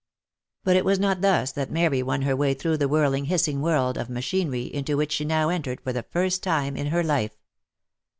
But it was not thus that Mary won her way through the whirling hissing world of machinery into which she now entered for the first time in her life.